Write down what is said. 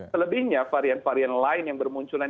selebihnya varian varian lain yang bermunculan